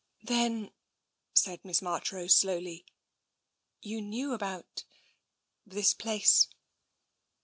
" Then," said Miss Marchrose slowly, " you knew about — this place